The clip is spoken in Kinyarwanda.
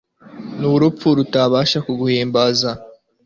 n'urupfu rutabasha kuguhimbaza